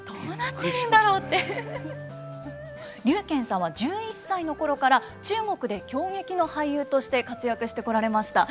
劉妍さんは１１歳の頃から中国で京劇の俳優として活躍してこられました。